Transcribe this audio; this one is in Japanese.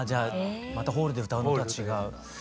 またホールで歌うのとは違う。